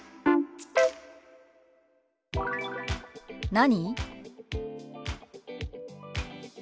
「何？」。